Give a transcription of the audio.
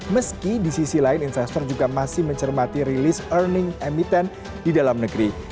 meski di sisi lain investor juga masih mencermati rilis earning emiten di dalam negeri